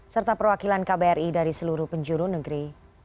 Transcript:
serta perwakilan kbri dari seluruh penjuru negeri